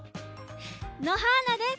のはーなです！